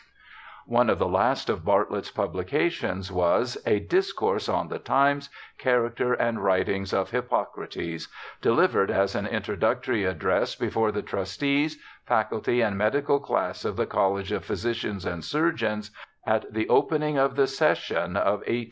One of the last of Bartlett's publications was A Dis course on the Times, Character, and Writings of Hippo crates, delivered as an introductory address before the trustees, faculty, and medical class of the College of 142 BIOGRAPHICAL ESSAYS Physicians and Surgeons, at the opening of the session of 1852 3.